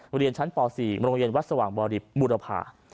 บริเวณชั้นป๔บริเวณวัดสว่างบริบุรพา